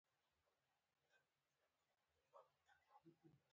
تکلیف له کوره وتلو شېبې پیل کېږي.